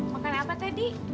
makan apa tadi